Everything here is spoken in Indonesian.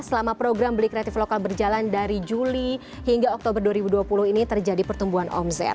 selama program beli kreatif lokal berjalan dari juli hingga oktober dua ribu dua puluh ini terjadi pertumbuhan omzet